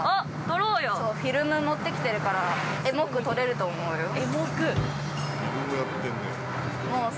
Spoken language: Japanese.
◆そう、フィルム持ってきてるから、エモく撮れると思うよ。